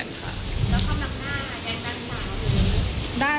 แล้วเขามักหน้าแทนด้านหลัง